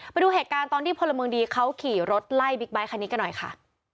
ไปดูเหตุการณ์ตอนที่พลเมืองดีเขาขี่รถไล่บิ๊กไบท์คันนี้กันหน่อยค่ะ